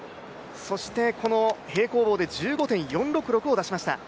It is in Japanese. そしてこの平行棒で１５．４６６を出しました。